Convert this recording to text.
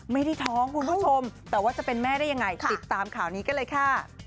ไม่ได้ท้องคุณผู้ชมแต่ว่าจะเป็นแม่ได้ยังไงติดตามข่าวนี้กันเลยค่ะ